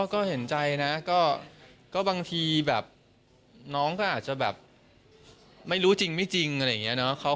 ก็เห็นใจนะก็บางทีแบบน้องก็อาจจะแบบไม่รู้จริงไม่จริงอะไรอย่างนี้เนอะ